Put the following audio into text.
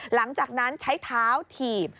หลังจากนั้นใช้เท้าถีบ